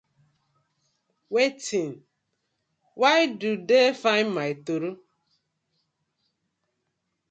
Wetin? Why do dey find my toro?